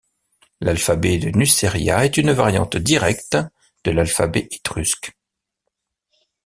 L'alphabet de Nuceria est une variante directe de l'alphabet étrusque.